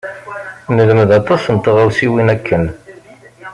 Nelmed aṭas n tɣawsiwin akken.